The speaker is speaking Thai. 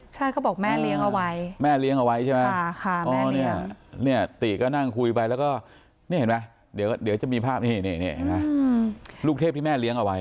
ใช่เขาบอกแม่เลี้ยงเอาไว้แม่เลี้ยงเอาไว้ใช่ไหมเนี่ยติก็นั่งคุยไปแล้วก็นี่เห็นไหมเดี๋ยวจะมีภาพนี่เห็นไหมลูกเทพที่แม่เลี้ยงเอาไว้